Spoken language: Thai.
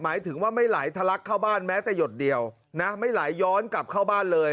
หมายถึงว่าไม่ไหลทะลักเข้าบ้านแม้แต่หยดเดียวนะไม่ไหลย้อนกลับเข้าบ้านเลย